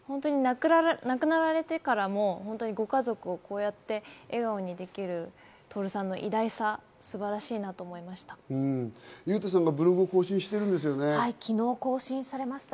亡くなられてからもご家族をこうやって笑顔にできる徹さんの偉大さ、素晴らしいなと思いました。